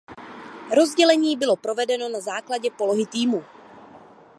Rozdělení bylo provedeno na základě polohy týmu.